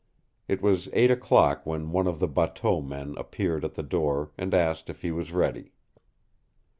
It was eight o'clock when one of the bateau men appeared at the door and asked if he was ready.